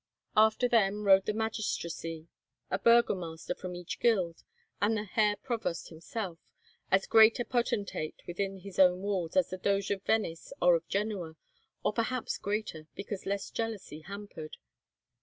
After them rode the magistracy, a burgomaster from each guild, and the Herr Provost himself—as great a potentate within his own walls as the Doge of Venice or of Genoa, or perhaps greater, because less jealously hampered.